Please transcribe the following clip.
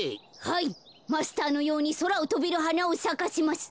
はいマスターのようにそらをとべるはなをさかせます。